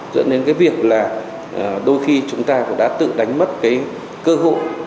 dẫn đến cái việc là đôi khi chúng ta cũng đã tự đánh mất cái cơ hội